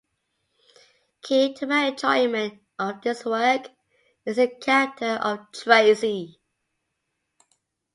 Key to my enjoyment of this work is the character of Tracey.